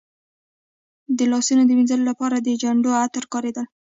د لاسونو د وینځلو لپاره به د چندڼو عطر کارېدل.